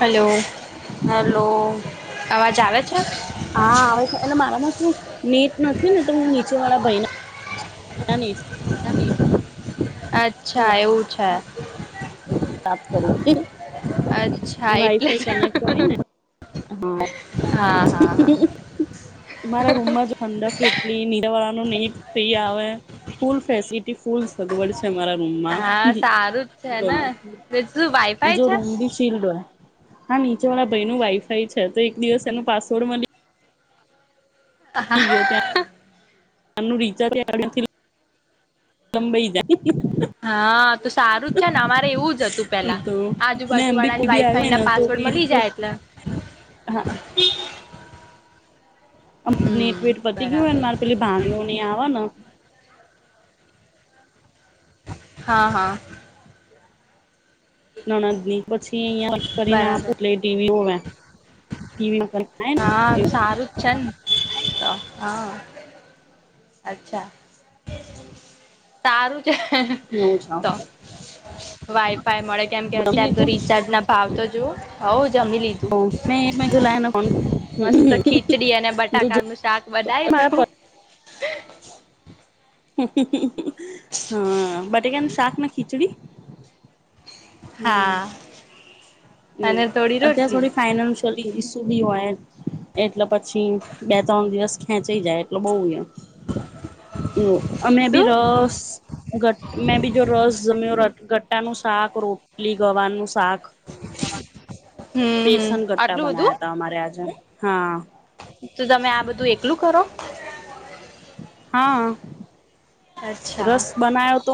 Hello hello અવાજ આવે છે હા આવે એટ મારામાં શું નેટ નથી ને તો હું નીચે વાળા ભાઈ. અચ્છા એવું છે. પ્રાપ્ત કરું કેે. અચ્છા એટલે જ. હોય ને હા હા હા હા. મારા રૂમ માં જ ઠંડક એક. ની વાળા ન ની ફ્રી આવે ફૂલ ફેસલટી ફૂલ સગવડ. મારા રૂમમાં હા સારું જ છે બો. ને શું વાઈફાઈ જો છે રૂમ બી સીલ્ડ હોય. હા નીચે વાળા ભાઈ ન વાઈફાઈ છે તો એક દિવસ એનું પાસવર્ડ મળી. હ હા. આમનું રીચાજ [inaudible] લંબાઈ જાય. હા તો સારું જ છે ને અમારે એવું જ હતું જાય પેલા. તો ને આજુબાજુ એમ બી કોઈ વાળાની બી વાઈફાઈ આવ્યું ના હોય પાસવર્ડ ને મળી તો જાય એટલે. હા નેટ હમ વેટ પતી ગયું હોયને બરાબર મારે પેલી ભાણીઓ ને આવે ને હા હા. નણદ ની પછી અહિયાં એક કરીને આપે બરાબર ટલે ટીવી હોવે. ટીવી હા ને [inaudible] સારું જ છે ને તો હા, અચ્છા તારું તો. વાય ભાય મળે કેમ કે અત્યારે તો રિચાર્જ ના ભાવ તો જોઓ. હવ જમી લીધું. મે એને કોલા [inaudible] મસ્ત ખીચડી અને બટાકા નું શાક બધાય તું. હ [unintelligible] હ [unintelligible] હા બટકાને શાક ના ખીચડી. હા. હમ્મ, અને થોડી અતયાર રોટલી થોડી ફાઈનાશયલી સુભી હોય એટલે પછી બે ત્રણ દિવસ ખેંચી જાય એટલે બહુ એમ. એ અમેં ભી શું રસ ઘટ મેં ભી જો રસ જમ્યો રા ગટ્ટા નું શાક, રોટલી, ગવાનુ શાક. હમ હમ બેસન ગટ્ટા આટલું બધું બનાયા તા અમારે આજે. હા. તો તમે આ બધું એકલું કરો? હા. અચ્છા રસ બનાયો તો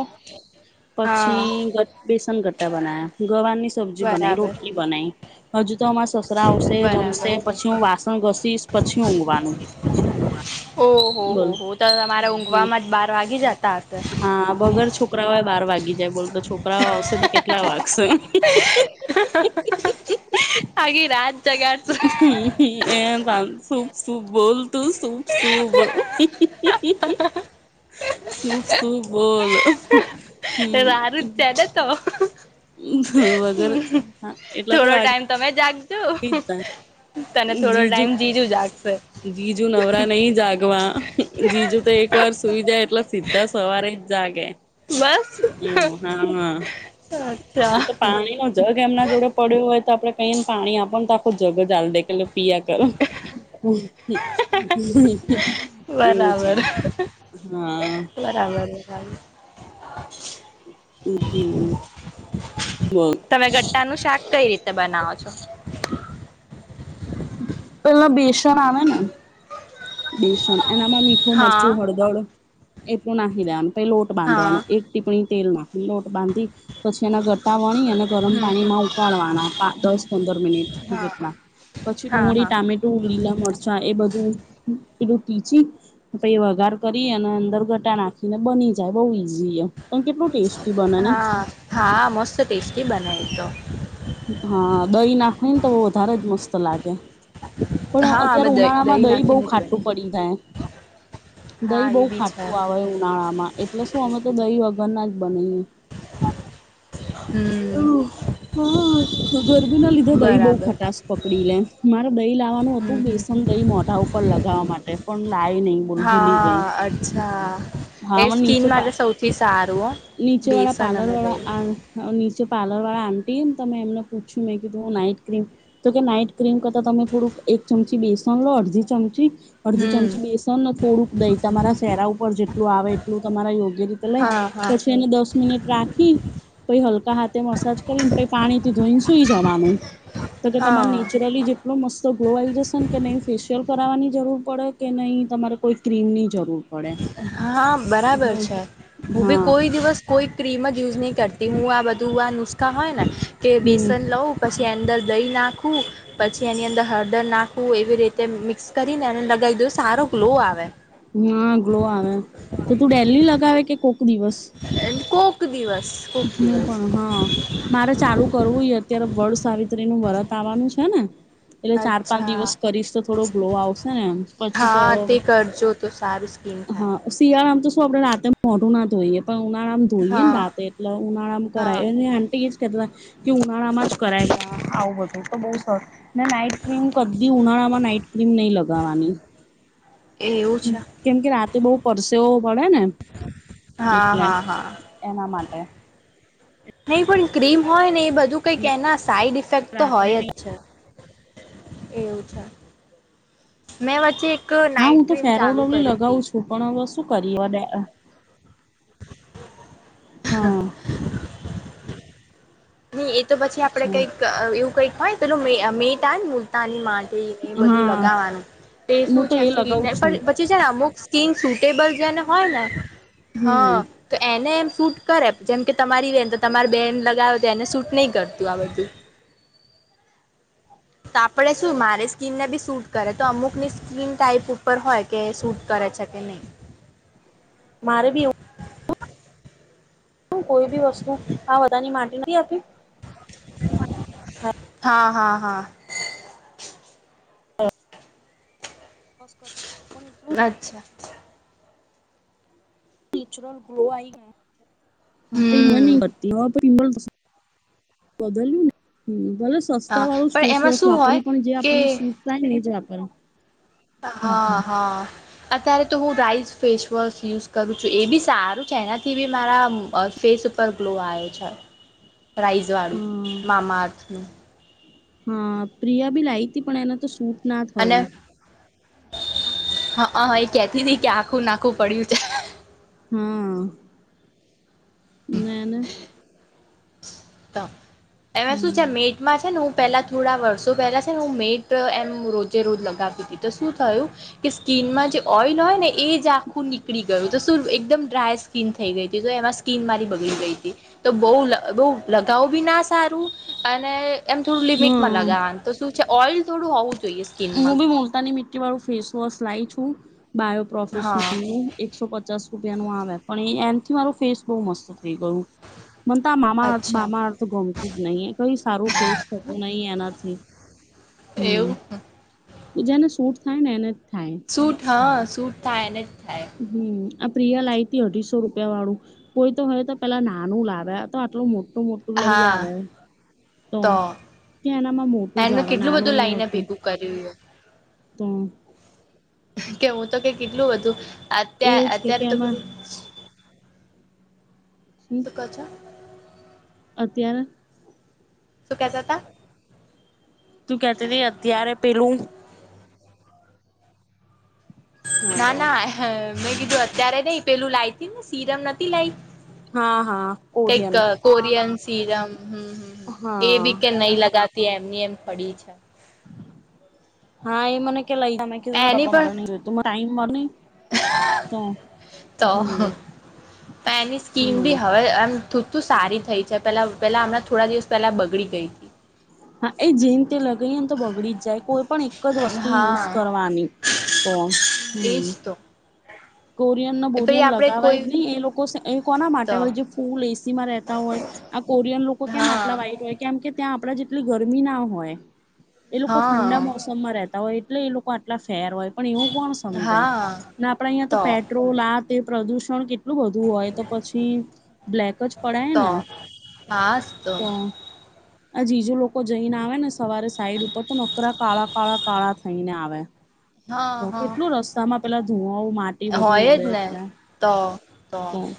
હા પછી બેસન ગટા બનાયા, ગવાની સબ્જી બનાવી, બરાબર રોટલી બનાવી. હજુ તો આમાં સસરા આવશે બરાબર જમશે પછી હું વાસણ ઘસીશ પછી ઊંઘવાનું. ઓહ હો બોલ હો તો તમારે હા ઊંઘવામાં જ બાર વાગી જાત. હા વગર છોકરાઓ બાર વાગી જાય બોલ તો છોકરાઓ આવશે તો કેટલા વાગશે. [unintelligible] જગાડશો [unintelligible] શું બોલ તું શું શું શુભ શુભ બોલ હમ [unintelligible] વગર હા એટલા તો વાગે જા જો તને થોડો જીજુ ટાઈમ જીજું જાગશે. જીજુ નવરા નહી જાગવા જીજુ તો એક વાર સુઈ જાય એટલે સીધા સવારે જ બસ [unintelligible] એ હા હ એ અચ્છા તો પાણી નો જગ એમના જોડે પડ્યો હોય તો આપણે કહીએ ને પાણી આપવા તો આખું જગ જજ આ દે કે લઇ પિયા કર હમ્મ બરાબર હા બરાબર [unintelligible] હમ્મ હમ્મ તમે ગટ્ટાનું શાક કઈ રીતે બનાવો છો? સ પેલા બેસણ આવે ને બેશન એનામાં મીઠું મરચું હા હળદર. એટલું નાહીદે આમ. લોટ બાંધવાનો હા એક ટિપણી તેલમાં. લોટ બાંધી પછી એના ગટા વણી અને ગરમ હમ પાણીમાં ઉકાળવાના દસ પંદર મિનિટ હા જેટલા પછી હા ડુંગળી હા ટામેટું લીલા મરચા એ બધુ પેલું પીચી પ વઘાર કરી અને અંદર ગટા નાખીને બની જાય બઉુ. હા હા મસ્ત ટેસ્ટી બનાવી તો. હા. દહી નાખવી ને તો બ વધારે જ મસ્ત લાગે. પણ હા અમે અત્યારે દહીં ઉનાળામાં દહીં દહી બહુ નાખીને જ ખાટું બનાવીએ પડી જાય. હ [unintelligible] દહી હા બહુ એ બી છે ખાટું આવે ઉનાળા માં. એટલે શું અમે તો દહી વગરના જ બનીએ. હમ. હ ગરમી ના લીધે દહી બહુ બરાબર ખટશ પકડી લે મારે દહી લાવવાનું હમ હતું હમ બેસન દહી મોઢા ઉપર લગાવવા માટે પણ. લાવી નહી બોલ ભૂલી ગઈ હા અચ્છા હા એ મને નીચે સ્કીિન પા માટે સૌથી સારું હો બેસન અને દહી. ું પારલર. મ તમે એમને પૂછ્યું મેં કીધું નાઈટ ક્રીમ તો કે નાઈટ ક્રીમ કરતા તમે થોડુંક એક ચમચી બેસન લો અડધી ચમચી. અડધી હમ ચમચી બેસનને થોડુંક દઈ તમારા ચહેરા ઉપર જેટલું આવે એટલું તમારે યોગ્ય રીતે લઈ હા હા પછી એને દસ મિનિટ રાખી પછ હલકા હાથે મસાજ. પાણીથી ધોઈ સુઈ જવાનું તો કે તમારે હા નેચરલી જેટલો મસ્ત ગ્લોઈન કે ફિય. કરાવવાની જરૂર પડે કે નહીં તમારે કોઈ ક્રીમ ની. હા બરાબર છે હું બી હા કોઈ દિવસ કોઈ ક્રીમ જ યુઝ નહી કરતી. તે હું આ બધું આુસ્. હોય ને કે હમ બેસન લવ પછી અંદર. દહી નાખવું પછી એની અંદર હળદર નાખવું એવી રીતે મિક્સ કરીને એને લગાવી દો સારો ગ્લો આવે. હા ગ્લો આવે તો તું ડેલની લગાવે કે. કોક દિવસ એમ કો. એક દિવસ. કોક હું દિવસ પણ હા મારે ચાલુ કરવું હત. અત્યારે વટ સાવિત્રી નું વ્રત આવવાનું છે ને. એટલે ચાર પાંચ અચ્છા દિવસ કરીશ તો થોડો ગ્લો આવશે ને પછી તો હા તે કરજો તો સારું સ્કીન થાય હા શિયાળામ તો આપડ રાતે મોઢુના ધોઈ પણ ઉના નામ ધોહીએને હા રાતેે મત ઉનામ કર હા એને આંટીએ જ કેતા કે ઉનાળામાં જ કરાય આવું બધું તો બહુ સરસ નાઈટ મ કધી ઉનાળા માં નાઈટ ક્રીમ નહી લગાવાની એવું છે તે બહુ પરસે પડે ને હા એટલે હા હા એના માટે નહી પણ ક્રીમ હોય ને એ બધું કઈ કે ના સાઈડ ઇફેક્ટ તો રાત્રે હોય જ નહી છે એવું છે મેં વચ્ચે એક હા હું નાઈટ તો ક્રીમ ફેરાવ ચાલુ લવલી કરી હતી. લગાવું છું પણસ્ શું કરી હા [inaudible] તો પછી આપડે કંઈક એવું કંઈક હોય લો મે મે મુલતાની મા બધું હા લગાવાનું તો શું હું છે એ લગાવું સ્કીનને છું પછી છે ને અમુક સ્િંગ સુટેબલ છેને હોય ને હા હમ તો એને એમ શૂટ કરે જેમ કે તમારી વહેન તો તમારી બેન લગાવે એને શૂટ નહી કરતું આ બધું તો આપણે શું મારી સ્કીિનને બી શૂટ કરે તો અમુકની સ્કીિન ટાાઈપ ઉપર હોય કે શૂટ કરે છે કે નહી મારે ભી હું કોઈ બી વસ્તુ આ બધાની માટેટી ત આપી હા હા હા અચ્છા [inaudible] નેચરલ ગ્લો આઈ ગયા હા ભાઈ હ હમ ન વતી બદને હમ ભ હા સસ્તા વાળું પણ સસ એમાં વસ શું હોય વાપરી પણ જે કે આપને સુ થાય જ પર હા હા અત્યારે તો હું રાઈસ ફેસવોશ યુઝ કરું છું એ બી સારું છે એનાથી બી મારા ફેસ ઉપર ગ્લો આવ્યો છે રઈઝવાડું હા મામાા અર્થનું હા પ્રિયા ભી લાઈ તી પણ એના તો સૂટ ના અને થયું હા હ એ કેતી ન કે આખું નાખવું પડ્યું છે હા ના ના ત એમે શું છે હમ મેટમાં છે ને પહેલાં થોડા વર્ષો પહેલાં છે ને હું મેટ એમ રોજે રોજ લગાવી હતી તો શું થયું કે સ્કીિનમાં જે ઓઇલ હોય ને એ જ આખું નીકળી ગયું તો શું એકદમ ડ્રાય સ્કીન થઈ ગઈ હતી તો એમાં સ્કીન મારી બગડી ગઈ હતી તો બહુ બહુ લગાવ બી ના સારું અને એમ થોડું લિમિટમાં હમ લગાવવાનું તો શું છે ઓઈલ થોડું હોવું જોઈએ સ્કીિનમાં હું બી મુલતાની મી્ટી વાળું ફેસવોશ લાવ છું બાયો હા પ્રોફેશનલ નું એકસો પચાસ રૂપિયા નો આવે પણ એ એમથી મારો ફેસ બહુ મસ્ત મન તા આ મામાઅર્થ અચ્છા બામાઅર્થ ગમતું જ નહી, એ કઈ સારું ફેસ થતું નહી એનાથી. હમ્મ. એવું ઈ જેને સૂટ થાય ને એને જ સૂટ હા સૂટ થાય એને જ થાય હમ્મ. આ પ્રિયા લાઈતી અઢીસો રૂપિયા વાળું, કોઈ તો હોય તો પેલા નાનું લાવે, આ તો આટલું મોટ ટું મોટું લઈ આવે હા તો કે એનામાં મોટું જ એનું આવે કેટલું નાનું બધું નહી લાઈને આવતું ભેગું કર્યું તો. કે હું તો કે કેટલું બધું અત્યા એજ કે અત્યારે કે તો એમાં બધું શું કહો છો? અત્યારે શું કહેતા તા? તું કેતી તી અત્યારે પેલું ના, હલો ના હ. મેં કીધું અત્યારે નઈ પેલું લાઈ તી ને સીરમ નતી લાઈ. હા હા કંઈક કોરિયન અહ કોરિયન સીરમ હમ્મ-હમ્મ. એ હા બી કે નહી લગા વતી એમની એમ પડી છે. હા એ મને કે લઈ જા, મે કીધું ના એની બાપા પણ મારે નહી જોતું, ટાઈમ મળતું નહિં. તો, હમ પણ એની સ્કીન બી હમ હવે એમ થૂતું સારી થઈ છે પેલા પેલા હમણાં થોડા દિવસ પહેલા બગડી ગઈ તી. હા એ જેન તે લગાયે ને તો બગડી જ જાય. કોઈપ પણ એક જ વસ્તુ યુઝ હા કરવાની. તો એજ હમ્મ. તો કોરિયન નો પછી બોરિયન આપડે લગાવાય કોઈ જ નહી, એ લોકો સે એ કોના માટે તો હોય જે ફૂલ એસીમાં રહેતા હોય, આ કોરિયન લોકો કેમ આટલા હા વાઇટ હોય કેમ કે ત્યાં આપણા જેટલી ગરમી ના હોય. એ લોકો ઠંડા હા મોસમમાં રહેતા હોય. એટલે એ લોકો આટલા ફેર હોય પણ એવું કોણ સમજે, હા ને આપણે અહીંયા તો પેટ્રોલ આ તે પ્રદુષણ કેટ ટલું બધું હોય તો પછી બ્લેક જ પડાય ન તો તો. આ જીજું લોકો જઈને આવેને સવારે સાઈડ ઉપર તો નોકરા કાળા કાળા કાળા થઈને આવે હા તો હા કેટલું રસ્તામાં પેલા [inaudible] બધું હોય જ ઉડે ને એટલે ત ત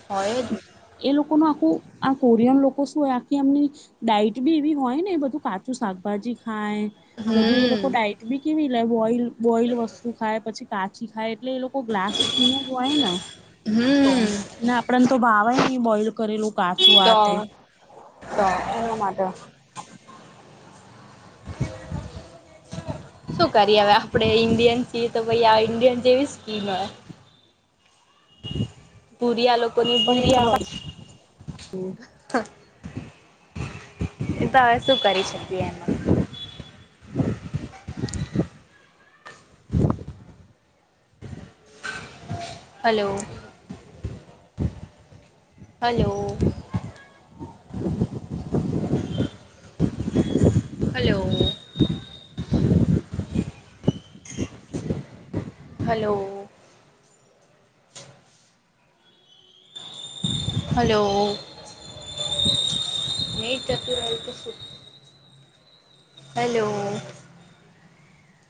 હોય જ ને એ લોકોનું તો આ કોરિયન લોકો શું હોય આખી એમની ડાઈટ બી એવી હોય ને બધું કાચું શાકભાજી ખાય બધું એ લોકો હમ ડાયટ બી કેવી લાય બોઈલ બોઈલ વસ્તુ ખાય પછી કાચી ખાય એટલે એ લોકો ખીમો હોયને તો હમ ને આપણને તો ભાવય કે બોઈલ કરેલું કાચું આ તો તે તો એના માટે શું કરીએ અવે આપડે ઇન્ડિયન છીએ તો ભાઈ આ ઇન્ડિયન જેવી સ્કીમ હોય. કુરીઆ લોક કોની ભુરી પણ એ આવ હા એ તો અવે શું કરી શકીએ એમ hello hello hello hello hello net જતું રહ્યું કે શું હલો